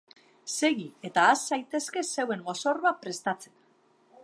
Segi, eta has zaitezke zeuen mozorroa prestatzen!